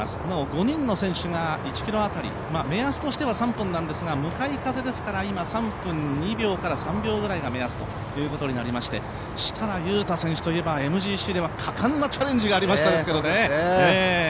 なお、５人の選手が１ｋｍ当たり、目安としては３分なんですが向かい風ですから３分２秒から３秒くらいが目安ということになりまして設楽悠太選手といえばＭＧＣでは果敢なチャレンジがありましたよね。